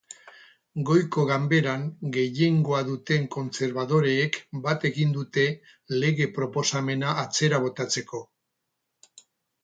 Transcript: Goiko ganberan gehiengoa duten kontserbadoreek bat egin dute lege-proposamena atzera botatzeko.